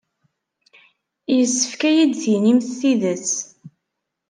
Yessefk ad iyi-d-tinimt tidet.